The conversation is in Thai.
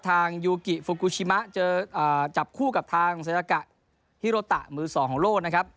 ทางยูกิฟุกูชิมะเจอเอ่อจับคู่กับทางฮิโรตะมือสองของโลธนะครับ